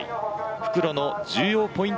復路の重要ポイント